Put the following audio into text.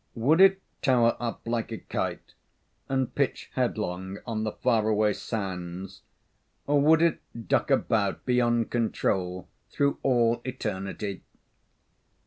Would it tower up like a kite and pitch headlong on the far away sands, or would it duck about, beyond control, through all eternity?